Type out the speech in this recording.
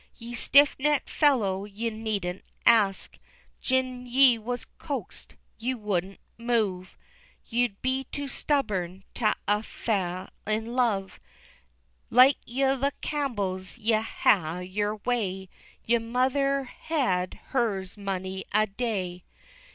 Ye stiff neck fellow, ye needna ask, Gin ye was coaxed, ye wouldna move Ye'd be too stubborn tae fa' in love; Like a' the Campbells ye'll hae yer way, Yer mither's hae'd hers mony a day.